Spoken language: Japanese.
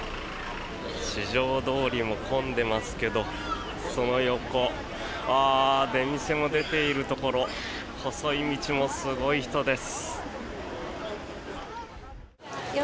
四条通も混んでいますけどその横、出店も出ているところ細い道もすごい人です。